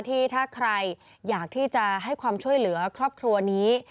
ที่ถ้าใครอยากที่จะให้ความช่วยเหลือครอบครัวนี้